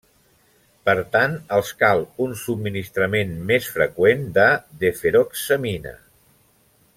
Per tant, els cal un subministrament més freqüent de deferoxamina.